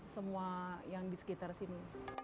semua yang di sekitar sini